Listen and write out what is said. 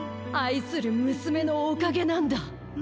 あいするむすめのおかげなんだ。